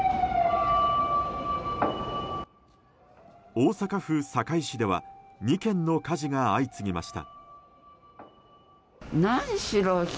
大阪府堺市では２件の火事が相次ぎました。